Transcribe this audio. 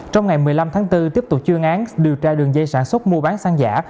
trong ngày một mươi năm tháng bốn tiếp tục chương án điều tra đường dây sản xuất mua bán xăng giả